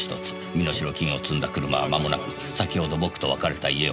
身代金を積んだ車はまもなく先ほど僕と別れた家を出ます」